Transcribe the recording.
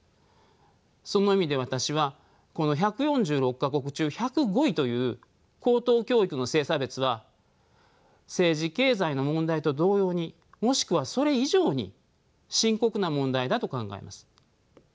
その意味で私はこの１４６か国中１０５位という高等教育の性差別は政治経済の問題と同様にもしくはそれ以上に深刻な問題だと考えます。